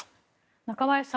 中林さん